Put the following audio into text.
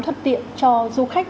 thuất tiện cho du khách